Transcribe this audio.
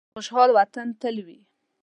د خوشحال وطن تل وي.